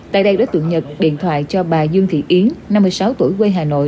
tại đây đối tượng nhật điện thoại cho bà dương thị yến năm mươi sáu tuổi quê hà nội